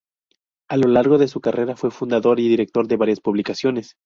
A lo largo de su carrera fue fundador y director de varias publicaciones.